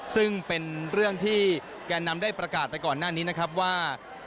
ซึ่งเป็นเรื่องที่แกนนำได้ประกาศไปก่อนหน้านี้นะครับว่า